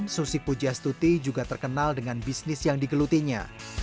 susi pujastuti juga terkenal dengan bisnis yang digelutinya